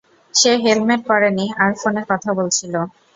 সে helmet পরেনি আর ফোনে কথা বলছিল।